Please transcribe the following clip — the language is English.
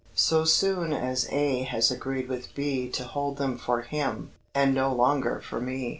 so soon as A. has agreed with B. to hold them for him, and no longer for me.